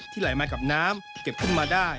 ที่ไหลมากับน้ำเก็บขึ้นมา